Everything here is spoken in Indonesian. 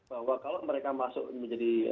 bahwa kalau mereka masuk menjadi